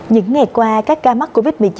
những ngày qua các ca mắc covid một mươi chín